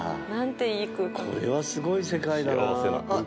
これはすごい世界だなあっ